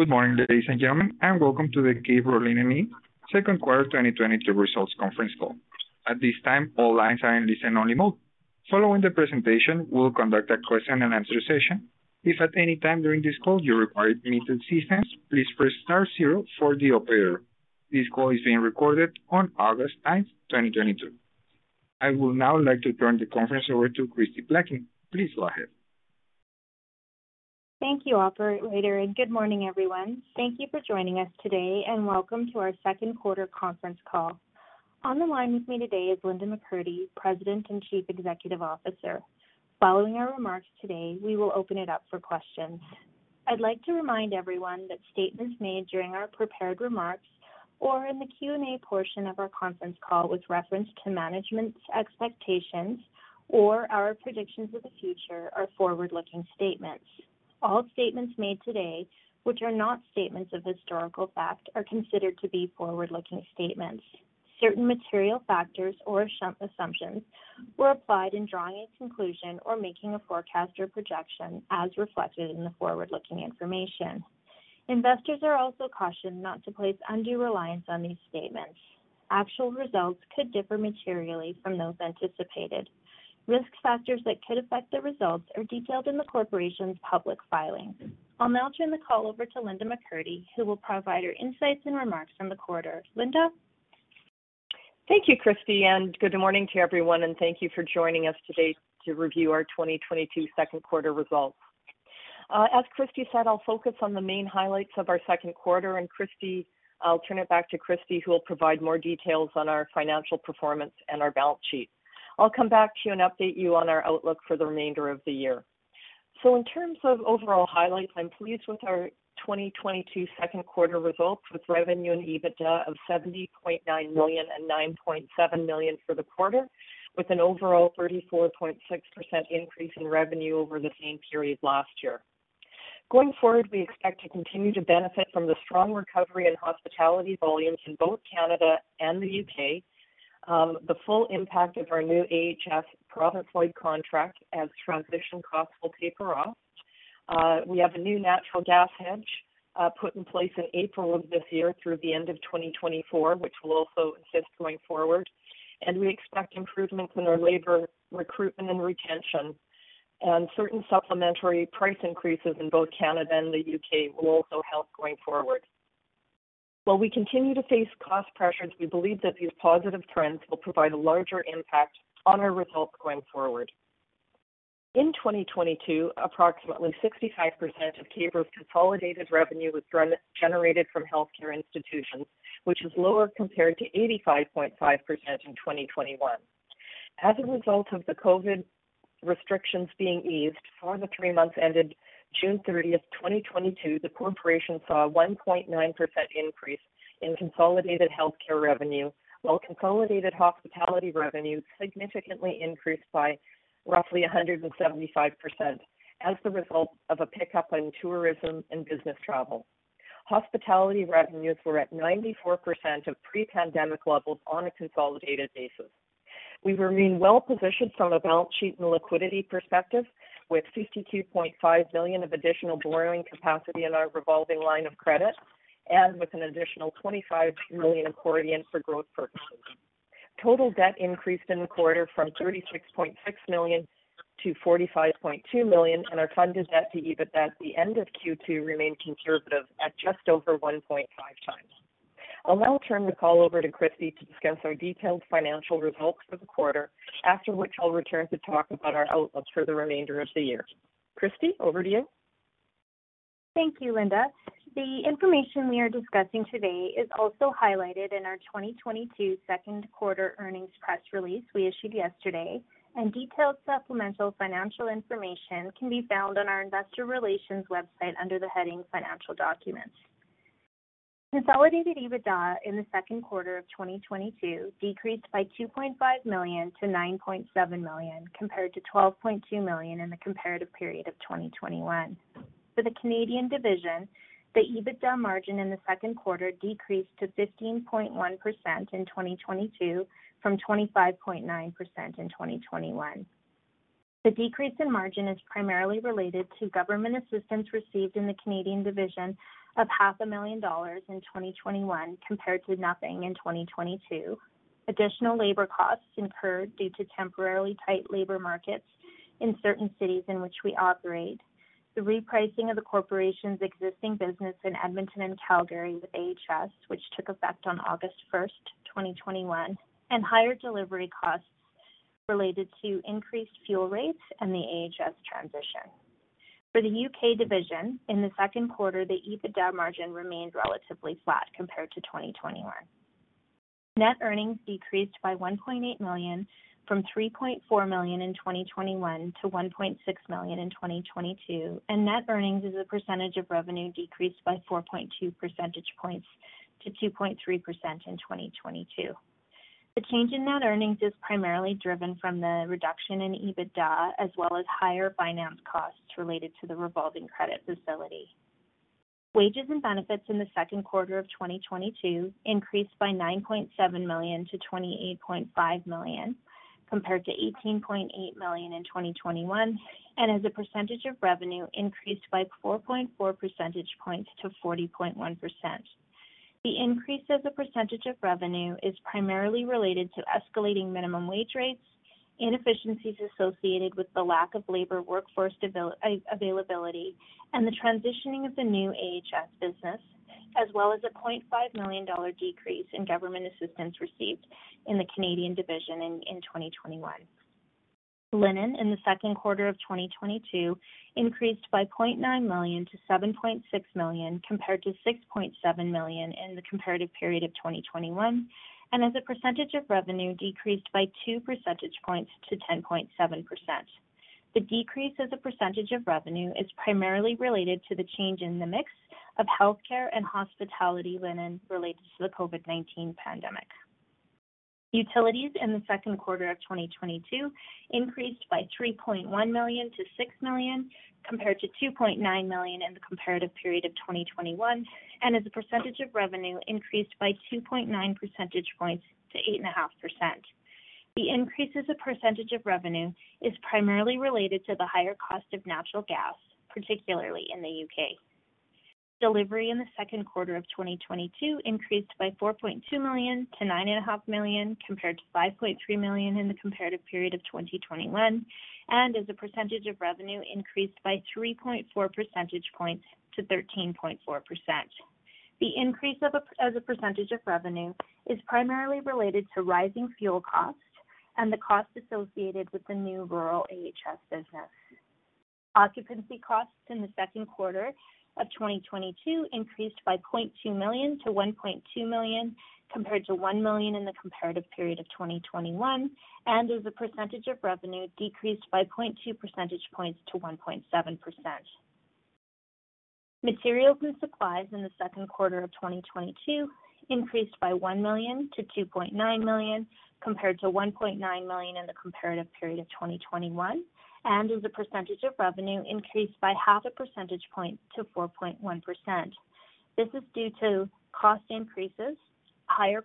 Good morning, ladies and gentlemen, and welcome to the K-Bro Linen Inc. Second Quarter 2022 Results Conference Call. At this time, all lines are in listen-only mode. Following the presentation, we'll conduct a question and answer session. If at any time during this call you require any assistance, please press star zero for the operator. This call is being recorded on August 9, 2022. I would now like to turn the conference over to Kristie Plaquin. Please go ahead. Thank you, operator, and good morning, everyone. Thank you for joining us today and welcome to our second quarter conference call. On the line with me today is Linda McCurdy, President and Chief Executive Officer. Following our remarks today, we will open it up for questions. I'd like to remind everyone that statements made during our prepared remarks or in the Q&A portion of our conference call with reference to management's expectations or our predictions of the future are forward-looking statements. All statements made today, which are not statements of historical fact, are considered to be forward-looking statements. Certain material factors or assumptions were applied in drawing a conclusion or making a forecast or projection as reflected in the forward-looking information. Investors are also cautioned not to place undue reliance on these statements. Actual results could differ materially from those anticipated. Risk factors that could affect the results are detailed in the corporation's public filings. I'll now turn the call over to Linda McCurdy, who will provide her insights and remarks from the quarter. Linda? Thank you, Kristie, and good morning to everyone, and thank you for joining us today to review our 2022 second quarter results. As Kristie said, I'll focus on the main highlights of our second quarter, and Kristie, I'll turn it back to Kristie, who will provide more details on our financial performance and our balance sheet. I'll come back to you and update you on our outlook for the remainder of the year. In terms of overall highlights, I'm pleased with our 2022 second quarter results with revenue and EBITDA of 70.9 million and 9.7 million for the quarter, with an overall 34.6% increase in revenue over the same period last year. Going forward, we expect to continue to benefit from the strong recovery in hospitality volumes in both Canada and the UK, the full impact of our new AHS province-wide contract as transition costs will taper off. We have a new natural gas hedge, put in place in April of this year through the end of 2024, which will also assist going forward. We expect improvements in our labor recruitment and retention. Certain supplementary price increases in both Canada and the UK will also help going forward. While we continue to face cost pressures, we believe that these positive trends will provide a larger impact on our results going forward. In 2022, approximately 65% of K-Bro's consolidated revenue was generated from healthcare institutions, which is lower compared to 85.5% in 2021. As a result of the COVID restrictions being eased for the three months ended June 30, 2022, the corporation saw a 1.9% increase in consolidated healthcare revenue, while consolidated hospitality revenue significantly increased by roughly 175% as the result of a pickup in tourism and business travel. Hospitality revenues were at 94% of pre-pandemic levels on a consolidated basis. We remain well positioned from a balance sheet and liquidity perspective with 52.5 million of additional borrowing capacity in our revolving line of credit and with an additional 25 million accordion for growth purchases. Total debt increased in the quarter from 36.6 million to 45.2 million, and our funded debt to EBIT at the end of Q2 remained conservative at just over 1.5 times. I'll now turn the call over to Christy to discuss our detailed financial results for the quarter, after which I'll return to talk about our outlook for the remainder of the year. Christy, over to you. Thank you, Linda. The information we are discussing today is also highlighted in our 2022 second quarter earnings press release we issued yesterday, and detailed supplemental financial information can be found on our investor relations website under the heading Financial Documents. Consolidated EBITDA in the second quarter of 2022 decreased by 2.5 million to 9.7 million, compared to 12.2 million in the comparative period of 2021. For the Canadian division, the EBITDA margin in the second quarter decreased to 15.1% in 2022 from 25.9% in 2021. The decrease in margin is primarily related to government assistance received in the Canadian division of CAD half a million dollars in 2021 compared to nothing in 2022. Additional labor costs incurred due to temporarily tight labor markets in certain cities in which we operate. The repricing of the corporation's existing business in Edmonton and Calgary with AHS, which took effect on August 1, 2021, and higher delivery costs related to increased fuel rates and the AHS transition. For the UK division, in the second quarter, the EBITDA margin remained relatively flat compared to 2021. Net earnings decreased by 1.8 million from 3.4 million in 2021 to 1.6 million in 2022, and net earnings as a percentage of revenue decreased by 4.2 percentage points to 2.3% in 2022. The change in net earnings is primarily driven from the reduction in EBITDA as well as higher finance costs related to the revolving credit facility. Wages and benefits in the second quarter of 2022 increased by 9.7 million to 28.5 million, compared to 18.8 million in 2021, and as a percentage of revenue, increased by 4.4 percentage points to 40.1%. The increase as a percentage of revenue is primarily related to escalating minimum wage rates, inefficiencies associated with the lack of labor workforce availability, and the transitioning of the new AHS business, as well as a 0.5 million dollar decrease in government assistance received in the Canadian division in 2021. Linen in the second quarter of 2022 increased by 0.9 million to 7.6 million, compared to 6.7 million in the comparative period of 2021, and as a percentage of revenue decreased by two percentage points to 10.7%. The decrease as a percentage of revenue is primarily related to the change in the mix of healthcare and hospitality linen related to the COVID-19 pandemic. Utilities in the second quarter of 2022 increased by 3.1 million to 6 million, compared to 2.9 million in the comparative period of 2021, and as a percentage of revenue increased by 2.9 percentage points to 8.5%. The increase as a percentage of revenue is primarily related to the higher cost of natural gas, particularly in the U.K. Delivery in the second quarter of 2022 increased by 4.2 million to 9.5 million, compared to 5.3 million in the comparative period of 2021, and as a percentage of revenue increased by 3.4 percentage points to 13.4%. The increase as a percentage of revenue is primarily related to rising fuel costs and the cost associated with the new rural AHS business. Occupancy costs in the second quarter of 2022 increased by 0.2 million to 1.2 million, compared to 1 million in the comparative period of 2021, and as a percentage of revenue decreased by 0.2 percentage points to 1.7%. Materials and supplies in the second quarter of 2022 increased by 1 million to 2.9 million, compared to 1.9 million in the comparative period of 2021, and as a percentage of revenue increased by half a percentage point to 4.1%. This is due to cost increases, higher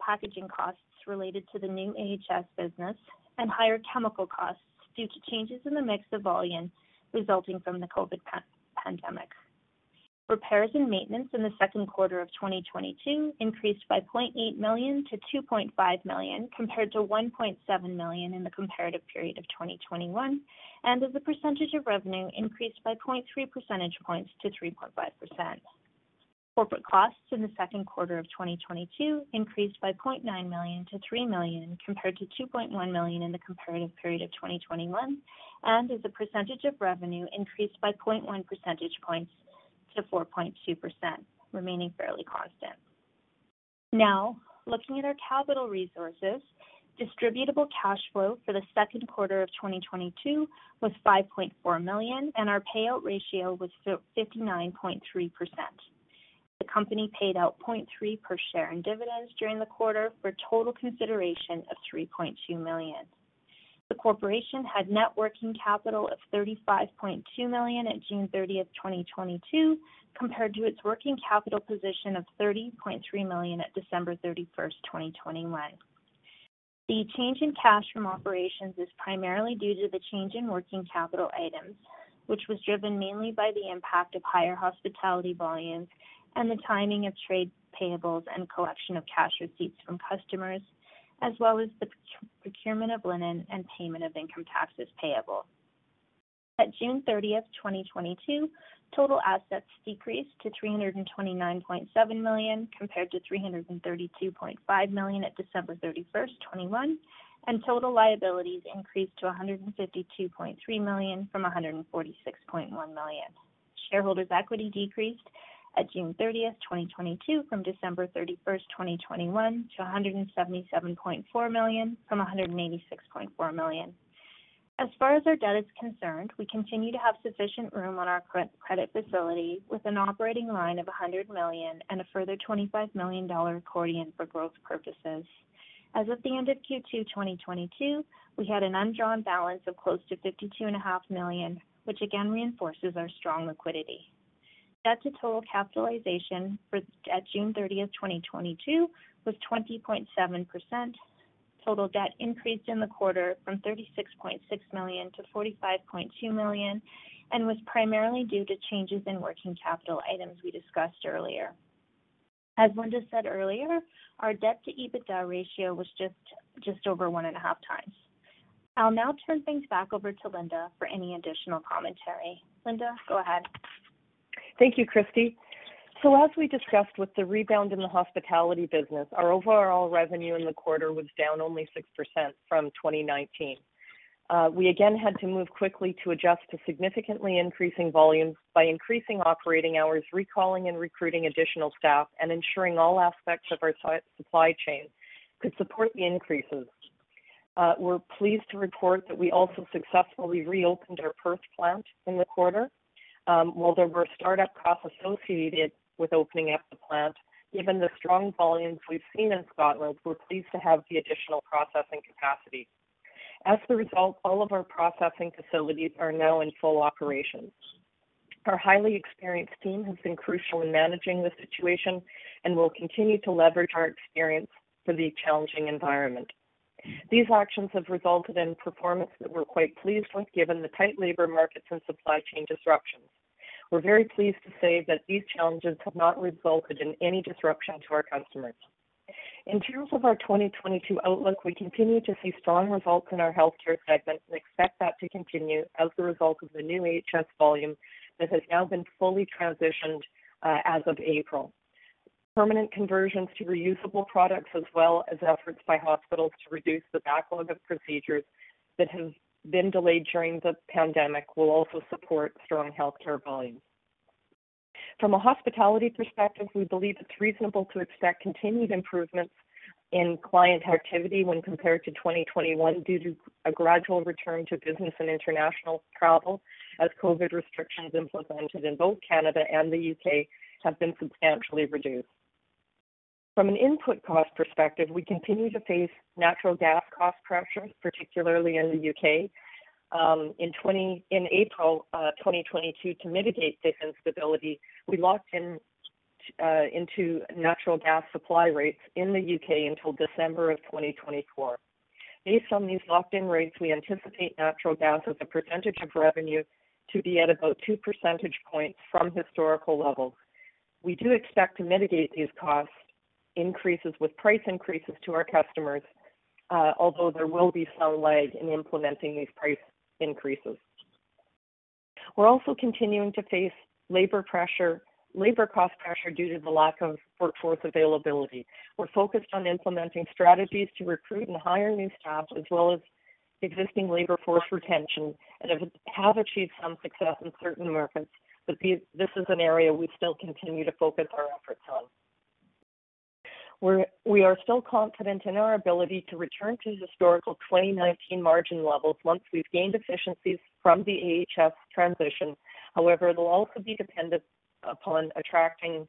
packaging costs related to the new AHS business, and higher chemical costs due to changes in the mix of volume resulting from the COVID pandemic. Repairs and maintenance in the second quarter of 2022 increased by 0.8 million to 2.5 million, compared to 1.7 million in the comparative period of 2021, and as a percentage of revenue increased by 0.3 percentage points to 3.5%. Corporate costs in the second quarter of 2022 increased by 0.9 million to 3 million, compared to 2.1 million in the comparative period of 2021, and as a percentage of revenue increased by 0.1 percentage points to 4.2%, remaining fairly constant. Now, looking at our capital resources, distributable cash flow for the second quarter of 2022 was 5.4 million, and our payout ratio was 59.3%. The company paid out 0.3 per share in dividends during the quarter for total consideration of 3.2 million. The corporation had net working capital of 35.2 million at June 30, 2022, compared to its working capital position of 30.3 million at December 31, 2021. The change in cash from operations is primarily due to the change in working capital items, which was driven mainly by the impact of higher hospitality volumes and the timing of trade payables and collection of cash receipts from customers, as well as the procurement of linen and payment of income taxes payable. At June 30th, 2022, total assets decreased to 329.7 million compared to 332.5 million at December 31st, 2021, and total liabilities increased to 152.3 million from 146.1 million. Shareholders' equity decreased at June 30th, 2022 from December 31st, 2021 to 177.4 million from 186.4 million. As far as our debt is concerned, we continue to have sufficient room on our credit facility with an operating line of 100 million and a further 25 million dollar accordion for growth purposes. As of the end of Q2 2022, we had an undrawn balance of close to 52.5 million, which again reinforces our strong liquidity. Debt to total capitalization, at June 30, 2022 was 20.7%. Total debt increased in the quarter from 36.6 million to 45.2 million and was primarily due to changes in working capital items we discussed earlier. As Linda said earlier, our debt to EBITDA ratio was just over one and a half times. I'll now turn things back over to Linda for any additional commentary. Linda, go ahead. Thank you, Kristie. As we discussed with the rebound in the hospitality business, our overall revenue in the quarter was down only 6% from 2019. We again had to move quickly to adjust to significantly increasing volumes by increasing operating hours, recalling and recruiting additional staff, and ensuring all aspects of our supply chain could support the increases. We're pleased to report that we also successfully reopened our Perth plant in the quarter. While there were startup costs associated with opening up the plant, given the strong volumes we've seen in Scotland, we're pleased to have the additional processing capacity. As a result, all of our processing facilities are now in full operation. Our highly experienced team has been crucial in managing this situation and will continue to leverage our experience for the challenging environment. These actions have resulted in performance that we're quite pleased with, given the tight labor markets and supply chain disruptions. We're very pleased to say that these challenges have not resulted in any disruption to our customers. In terms of our 2022 outlook, we continue to see strong results in our healthcare segment and expect that to continue as a result of the new AHS volume that has now been fully transitioned, as of April. Permanent conversions to reusable products, as well as efforts by hospitals to reduce the backlog of procedures that have been delayed during the pandemic, will also support strong healthcare volumes. From a hospitality perspective, we believe it's reasonable to expect continued improvements in client activity when compared to 2021 due to a gradual return to business and international travel as COVID restrictions implemented in both Canada and the U.K. have been substantially reduced. From an input cost perspective, we continue to face natural gas cost pressures, particularly in the U.K. In April 2022, to mitigate this instability, we locked in into natural gas supply rates in the U.K. until December of 2024. Based on these locked-in rates, we anticipate natural gas as a percentage of revenue to be at about two percentage points from historical levels. We do expect to mitigate these cost increases with price increases to our customers, although there will be some lag in implementing these price increases. We're also continuing to face labor pressure, labor cost pressure due to the lack of workforce availability. We're focused on implementing strategies to recruit and hire new staff, as well as existing labor force retention, and have achieved some success in certain markets, but this is an area we still continue to focus our efforts on. We are still confident in our ability to return to historical 2019 margin levels once we've gained efficiencies from the AHS transition. However, it'll also be dependent upon attracting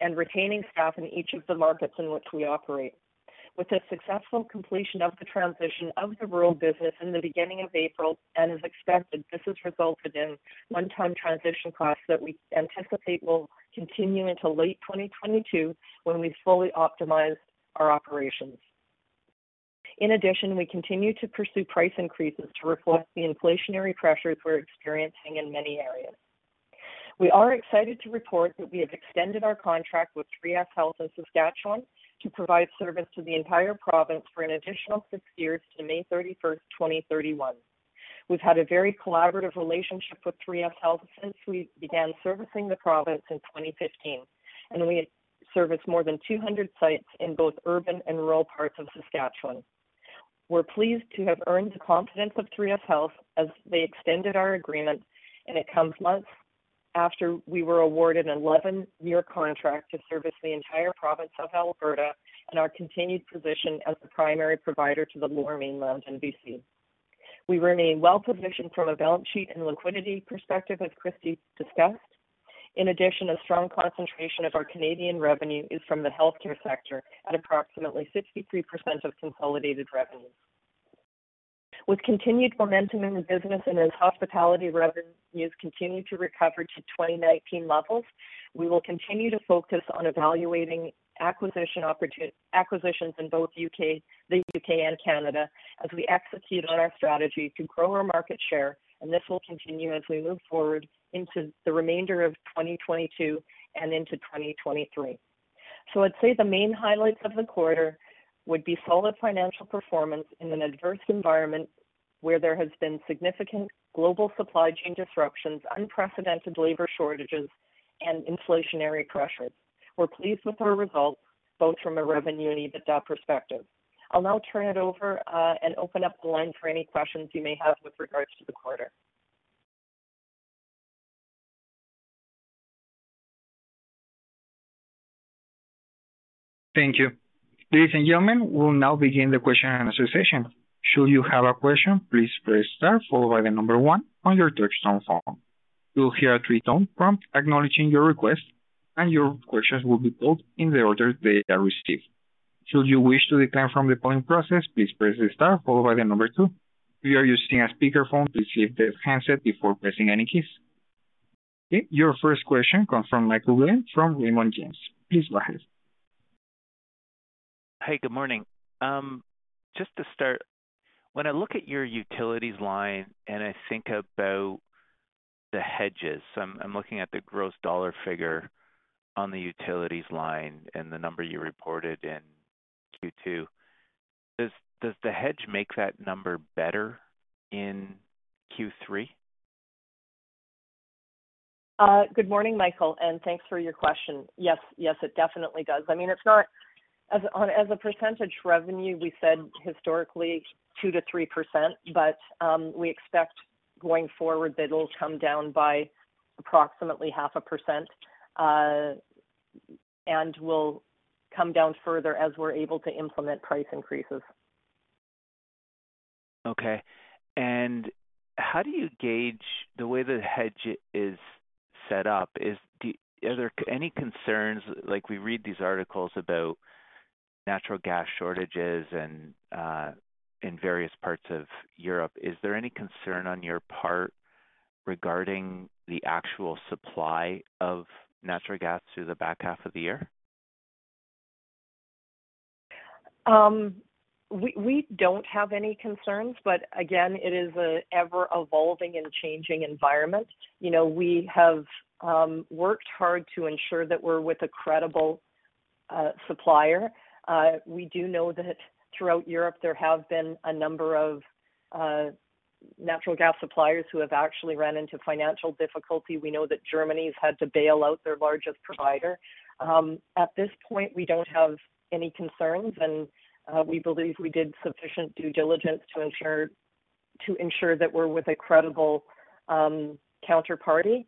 and retaining staff in each of the markets in which we operate. With the successful completion of the transition of the rural business in the beginning of April, and as expected, this has resulted in one-time transition costs that we anticipate will continue until late 2022, when we've fully optimized our operations. In addition, we continue to pursue price increases to reflect the inflationary pressures we're experiencing in many areas. We are excited to report that we have extended our contract with 3sHealth in Saskatchewan to provide service to the entire province for an additional six years to May 31, 2031. We've had a very collaborative relationship with 3sHealth since we began servicing the province in 2015, and we service more than 200 sites in both urban and rural parts of Saskatchewan. We're pleased to have earned the confidence of 3sHealth as they extended our agreement, and it comes months after we were awarded an 11-year contract to service the entire province of Alberta and our continued position as the primary provider to the Lower Mainland in BC. We remain well-positioned from a balance sheet and liquidity perspective, as Kristie discussed. In addition, a strong concentration of our Canadian revenue is from the healthcare sector at approximately 63% of consolidated revenue. With continued momentum in the business and as hospitality revenues continue to recover to 2019 levels, we will continue to focus on evaluating acquisitions in both the UK and Canada as we execute on our strategy to grow our market share, and this will continue as we move forward into the remainder of 2022 and into 2023. I'd say the main highlights of the quarter would be solid financial performance in an adverse environment where there has been significant global supply chain disruptions, unprecedented labor shortages, and inflationary pressures. We're pleased with our results, both from a revenue and EBITDA perspective. I'll now turn it over and open up the line for any questions you may have with regards to the quarter. Thank you. Ladies and gentlemen, we'll now begin the question and answer session. Should you have a question, please press star followed by the number one on your touchtone phone. You'll hear a three-tone prompt acknowledging your request, and your questions will be posed in the order they are received. Should you wish to decline from the polling process, please press star followed by the number two. If you are using a speakerphone, please lift the handset before pressing any keys. Okay, your first question comes from Michael Glen from Raymond James. Please go ahead. Hey, good morning. Just to start, when I look at your utilities line and I think about the hedges, I'm looking at the gross dollar figure on the utilities line and the number you reported in Q2, does the hedge make that number better in Q3? Good morning, Michael, and thanks for your question. Yes, it definitely does. I mean, it's not as onerous as a percentage of revenue. We said historically 2%-3%, but we expect going forward that it'll come down by approximately 0.5%, and will come down further as we're able to implement price increases. Okay. How do you gauge the way the hedge is set up? Are there any concerns, like we read these articles about natural gas shortages and in various parts of Europe. Is there any concern on your part regarding the actual supply of natural gas through the back half of the year. We don't have any concerns, but again, it is an ever-evolving and changing environment. You know, we have worked hard to ensure that we're with a credible supplier. We do know that throughout Europe there have been a number of natural gas suppliers who have actually ran into financial difficulty. We know that Germany has had to bail out their largest provider. At this point, we don't have any concerns, and we believe we did sufficient due diligence to ensure that we're with a credible counterparty.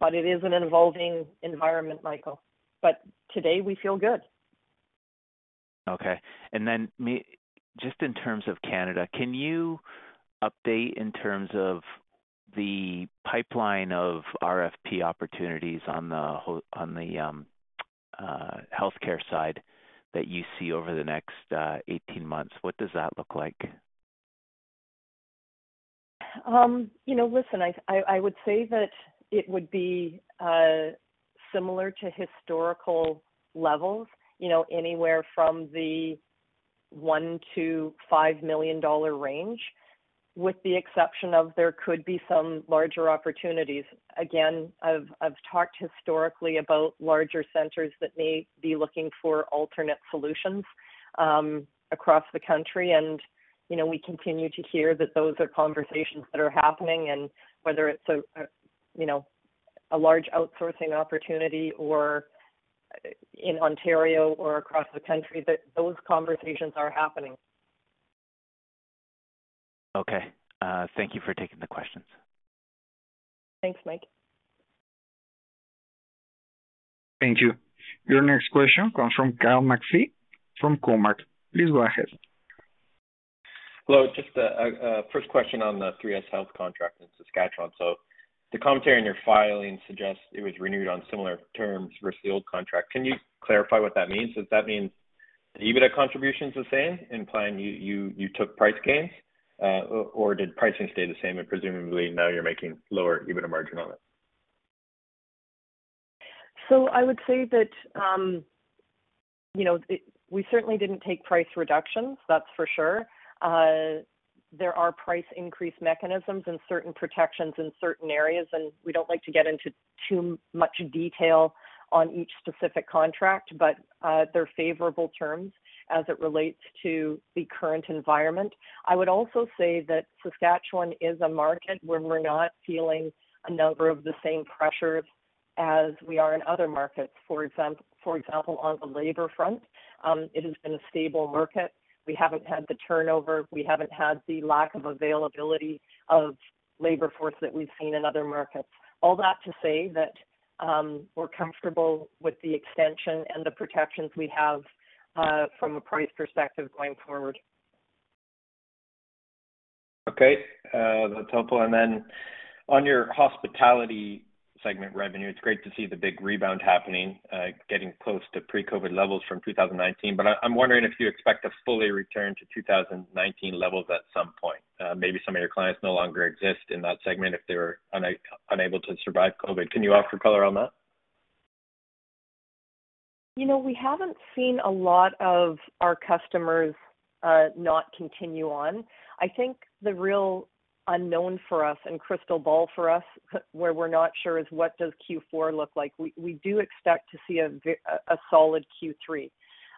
But it is an evolving environment, Michael Glen. Today we feel good. Okay. Just in terms of Canada, can you update in terms of the pipeline of RFP opportunities on the healthcare side that you see over the next 18 months? What does that look like? You know, listen, I would say that it would be similar to historical levels, you know, anywhere from 1 million-5 million dollar range, with the exception of there could be some larger opportunities. Again, I've talked historically about larger centers that may be looking for alternate solutions across the country. You know, we continue to hear that those are conversations that are happening and whether it's you know, a large outsourcing opportunity or in Ontario or across the country, that those conversations are happening. Okay. Thank you for taking the questions. Thanks, Mike. Thank you. Your next question comes from Kyle McPhee from Cormark. Please go ahead. Hello. Just a first question on the 3sHealth contract in Saskatchewan. The commentary in your filing suggests it was renewed on similar terms versus the old contract. Can you clarify what that means? Does that mean the EBITDA contribution is the same, implying you took price gains, or did pricing stay the same and presumably now you're making lower EBITDA margin on it? I would say that, you know, we certainly didn't take price reductions, that's for sure. There are price mechanisms and certain protections in certain areas, and we don't like to get into too much detail on each specific contract. They're favorable terms as it relates to the current environment. I would also say that Saskatchewan is a market where we're not feeling a number of the same pressures as we are in other markets, for example, on the labor front. It has been a stable market. We haven't had the turnover, we haven't had the lack of availability of labor force that we've seen in other markets. All that to say that, we're comfortable with the extension and the protections we have, from a price perspective going forward. Okay. That's helpful. On your hospitality segment revenue, it's great to see the big rebound happening, getting close to pre-COVID levels from 2019. I'm wondering if you expect to fully return to 2019 levels at some point. Maybe some of your clients no longer exist in that segment if they were unable to survive COVID. Can you offer color on that? You know, we haven't seen a lot of our customers not continue on. I think the real unknown for us and crystal ball for us, where we're not sure is what does Q4 look like. We do expect to see a solid Q3.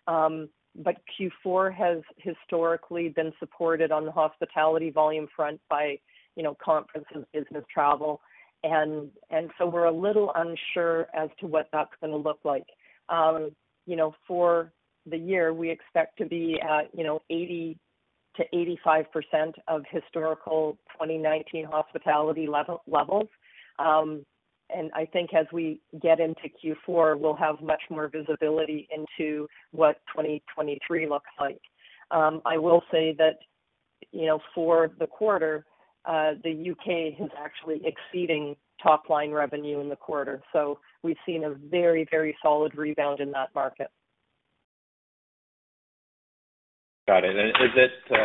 Q4 has historically been supported on the hospitality volume front by, you know, conference and business travel. So we're a little unsure as to what that's gonna look like. You know, for the year, we expect to be at, you know, 80%-85% of historical 2019 hospitality levels. I think as we get into Q4, we'll have much more visibility into what 2023 looks like. I will say that, you know, for the quarter, the UK is actually exceeding top-line revenue in the quarter. We've seen a very, very solid rebound in that market. Got it. Is it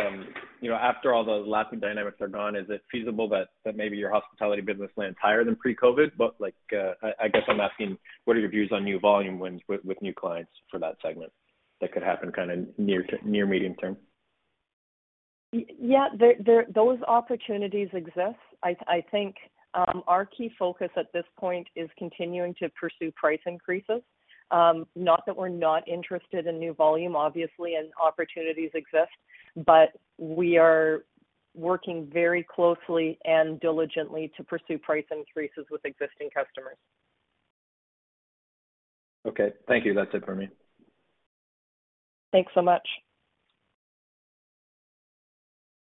you know after all the lasting dynamics are gone is it feasible that maybe your hospitality business lands higher than pre-COVID? Like I guess I'm asking what are your views on new volume wins with new clients for that segment that could happen kinda near medium term? Yeah. There. Those opportunities exist. I think our key focus at this point is continuing to pursue price increases. Not that we're not interested in new volume, obviously, and opportunities exist, but we are working very closely and diligently to pursue price increases with existing customers. Okay. Thank you. That's it for me. Thanks so much.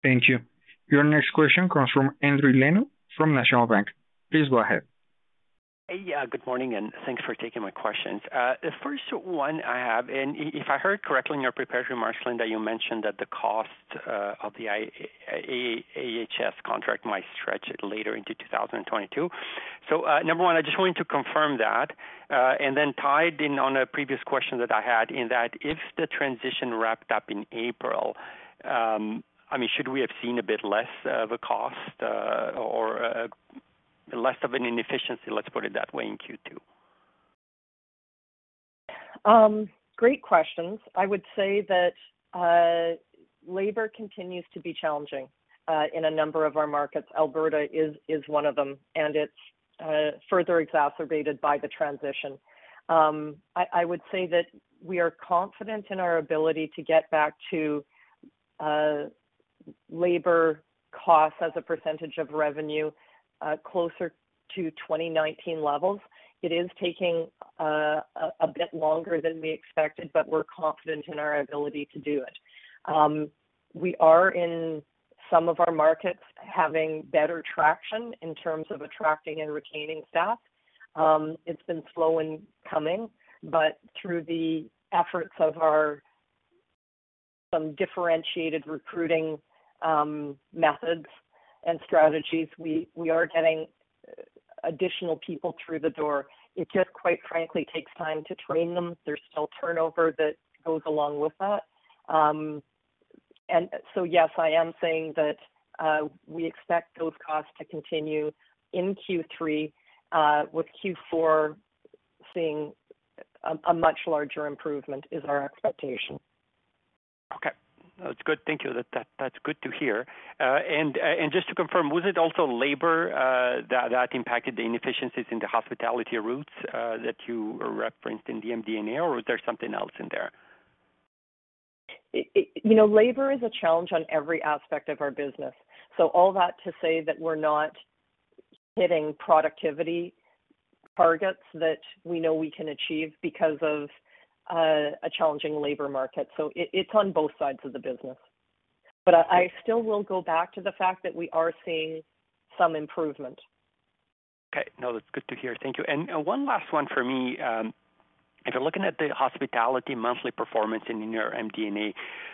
Thank you. Your next question comes from Zachary Evershed from National Bank. Please go ahead. Hey. Yeah, good morning, and thanks for taking my questions. The first one I have, and if I heard correctly in your prepared remarks, Lynn, that you mentioned that the cost of the AHS contract might stretch later into 2022. Number one, I just wanted to confirm that, and then tied in on a previous question that I had in that if the transition wrapped up in April, I mean, should we have seen a bit less of a cost, or, less of an inefficiency, let's put it that way, in Q2? Great questions. I would say that labor continues to be challenging in a number of our markets. Alberta is one of them, and it's further exacerbated by the transition. I would say that we are confident in our ability to get back to labor costs as a percentage of revenue closer to 2019 levels. It is taking a bit longer than we expected, but we're confident in our ability to do it. We are in some of our markets having better traction in terms of attracting and retaining staff. It's been slow in coming, but through the efforts of our some differentiated recruiting methods and strategies, we are getting additional people through the door. It just quite frankly takes time to train them. There's still turnover that goes along with that. Yes, I am saying that we expect those costs to continue in Q3, with Q4 seeing a much larger improvement is our expectation. Okay. That's good. Thank you. That's good to hear. And just to confirm, was it also labor that impacted the inefficiencies in the hospitality routes that you referenced in the MD&A, or was there something else in there? You know, labor is a challenge on every aspect of our business. All that to say that we're not hitting productivity targets that we know we can achieve because of a challenging labor market. It's on both sides of the business. I still will go back to the fact that we are seeing some improvement. Okay. No, that's good to hear. Thank you. One last one for me. If you're looking at the hospitality monthly performance in your MD&A,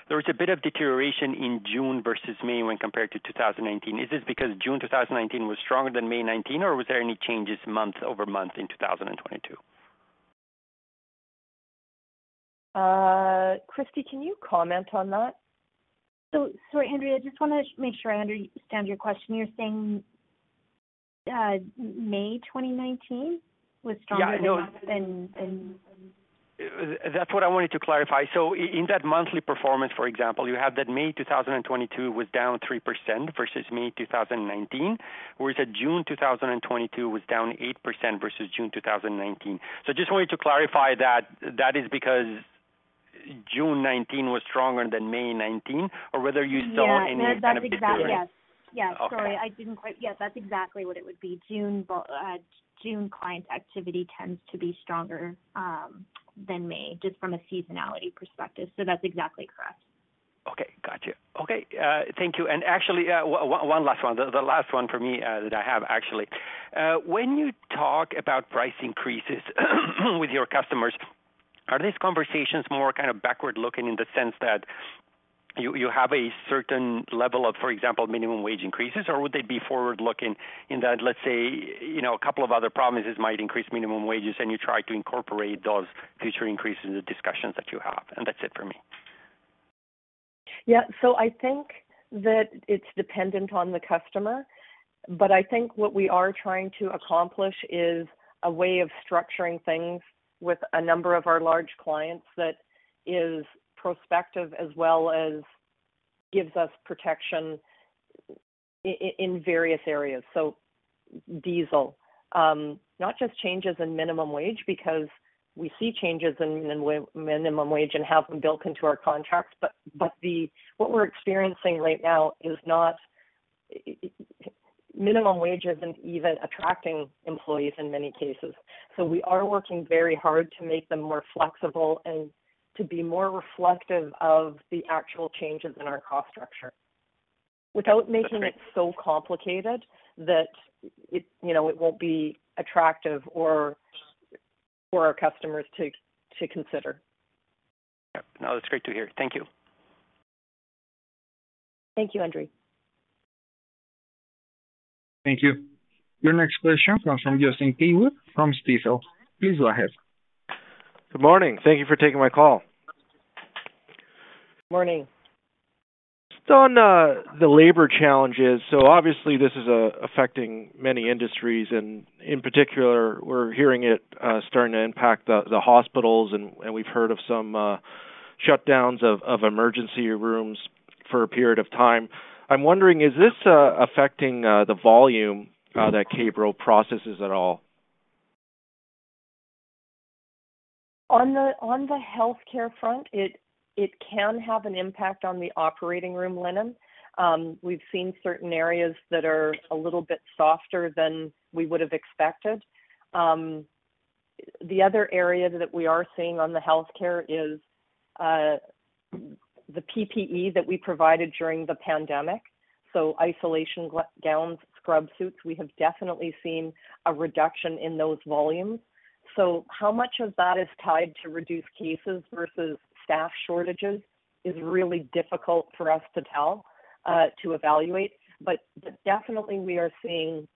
there was a bit of deterioration in June versus May when compared to 2019. Is this because June 2019 was stronger than May 2019, or was there any changes month-over-month in 2022? Kristie, can you comment on that? Sorry, Zachary, I just wanna make sure I understand your question. You're saying, May 2019 was stronger than- Yeah. Than, than- That's what I wanted to clarify. In that monthly performance, for example, you have that May 2022 was down 3% versus May 2019, whereas in June 2022 was down 8% versus June 2019. Just wanted to clarify that that is because June 2019 was stronger than May 2019, or whether you saw any kind of deterioration. Yeah, no, that's exactly. Yes. Yes. Okay. Yes, that's exactly what it would be. June client activity tends to be stronger than May, just from a seasonality perspective. That's exactly correct. Okay. Gotcha. Okay. Thank you. Actually, one last one. The last one for me, that I have actually. When you talk about price increases with your customers, are these conversations more kind of backward-looking in the sense that you have a certain level of, for example, minimum wage increases, or would they be forward-looking in that, let's say, you know, a couple of other provinces might increase minimum wages and you try to incorporate those future increases in the discussions that you have? That's it for me. Yeah. I think that it's dependent on the customer. I think what we are trying to accomplish is a way of structuring things with a number of our large clients that is prospective as well as gives us protection in various areas. Diesel, not just changes in minimum wage because we see changes in minimum wage and have them built into our contracts, but minimum wage isn't even attracting employees in many cases. We are working very hard to make them more flexible and to be more reflective of the actual changes in our cost structure. Okay without making it so complicated that it, you know, it won't be attractive for our customers to consider. Yeah. No, that's great to hear. Thank you. Thank you, Andrey. Thank you. Your next question comes from Justin Keywood from Stifel. Please go ahead. Good morning. Thank you for taking my call. Morning. Just on the labor challenges, obviously this is affecting many industries, and in particular, we're hearing it starting to impact the hospitals and we've heard of some shutdowns of emergency rooms for a period of time. I'm wondering, is this affecting the volume that K-Bro processes at all? On the healthcare front, it can have an impact on the operating room linen. We've seen certain areas that are a little bit softer than we would have expected. The other area that we are seeing in the healthcare is the PPE that we provided during the pandemic, so isolation gowns, scrub suits. We have definitely seen a reduction in those volumes. How much of that is tied to reduced cases versus staff shortages? It is really difficult for us to tell, to evaluate. Definitely we are seeing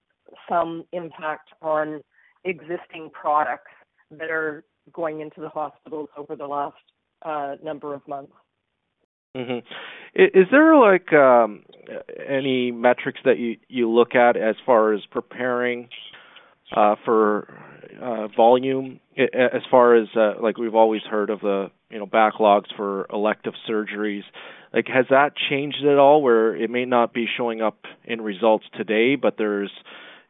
some impact on existing products that are going into the hospitals over the last number of months. Mm-hmm. Is there like any metrics that you look at as far as preparing for volume as far as like we've always heard of the, you know, backlogs for elective surgeries. Like, has that changed at all where it may not be showing up in results today, but there's,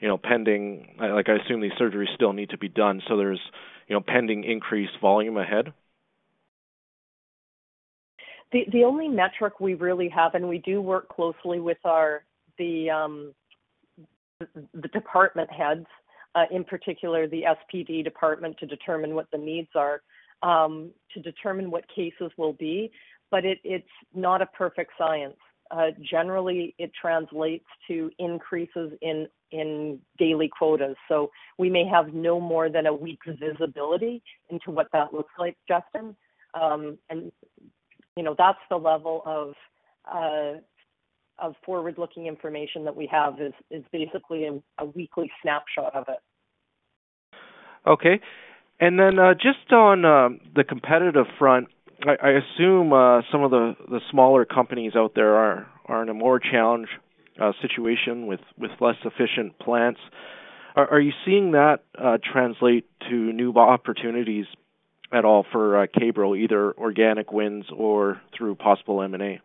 you know, pending. Like, I assume these surgeries still need to be done, so there's, you know, pending increased volume ahead. The only metric we really have, and we do work closely with our department heads, in particular the SPD department, to determine what the needs are, to determine what cases will be, but it's not a perfect science. Generally, it translates to increases in daily quotas. We may have no more than a week visibility into what that looks like, Justin. You know, that's the level of forward-looking information that we have is basically a weekly snapshot of it. Okay. Just on the competitive front, I assume some of the smaller companies out there are in a more challenged situation with less efficient plants. Are you seeing that translate to new opportunities at all for K-Bro, either organic wins or through possible M&A?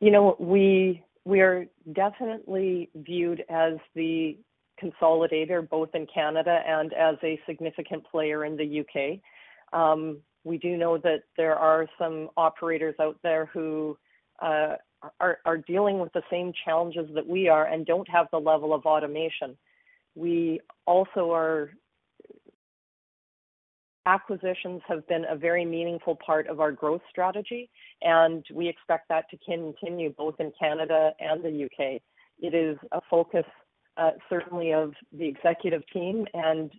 You know, we are definitely viewed as the consolidator, both in Canada and as a significant player in the U.K. We do know that there are some operators out there who are dealing with the same challenges that we are and don't have the level of automation. Acquisitions have been a very meaningful part of our growth strategy, and we expect that to continue both in Canada and the U.K. It is a focus certainly of the executive team, and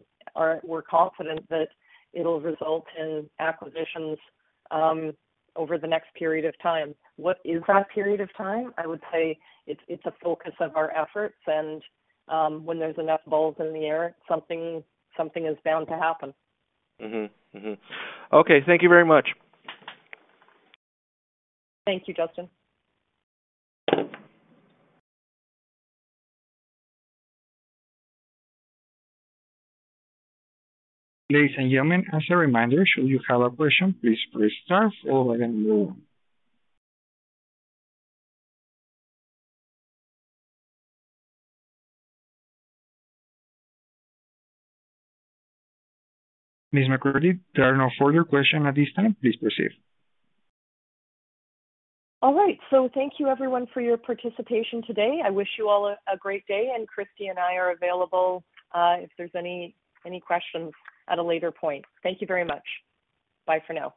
we're confident that it'll result in acquisitions over the next period of time. What is that period of time? I would say it's a focus of our efforts, and when there's enough balls in the air, something is bound to happen. Mm-hmm, mm-hmm. Okay, thank you very much. Thank you, Justin. Ladies and gentlemen, as a reminder, should you have a question, please press star one. Ms. McCurdy, there are no further questions at this time. Please proceed. All right. Thank you everyone for your participation today. I wish you all a great day, and Kristie and I are available if there's any questions at a later point. Thank you very much. Bye for now.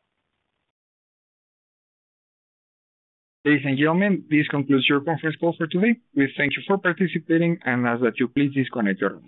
Ladies and gentlemen, this concludes your conference call for today. We thank you for participating and ask that you please disconnect your line.